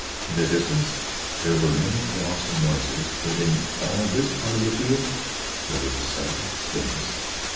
In the distance there were many colossal noises, but in all this part of the field there was a sudden stillness.